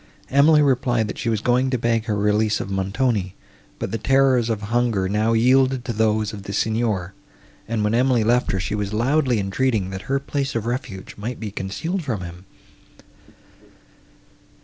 Emily replied, that she was going to beg her release of Montoni; but the terrors of hunger now yielded to those of the Signor, and, when Emily left her, she was loudly entreating, that her place of refuge might be concealed from him.